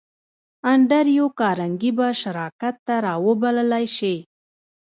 انډریو کارنګي به شراکت ته را وبللای شې